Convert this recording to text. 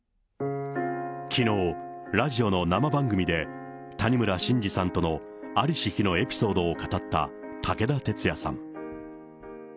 きのう、ラジオの生番組で、谷村新司さんとの在りし日のエピソードを語った武田鉄矢さん。